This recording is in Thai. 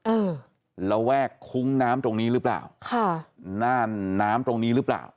เออระแวกคุ้งน้ำตรงนี้หรือเปล่าค่ะน่านน้ำตรงนี้หรือเปล่า